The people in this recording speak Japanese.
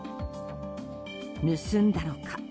盗んだのか。